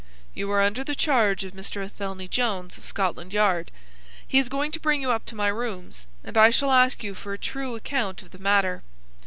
"You are under the charge of Mr. Athelney Jones, of Scotland Yard. He is going to bring you up to my rooms, and I shall ask you for a true account of the matter.